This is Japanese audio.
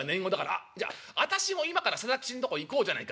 あっじゃあ私も今から定吉んとこ行こうじゃないか。